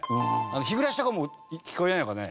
ヒグラシとかも聞こえないのかね？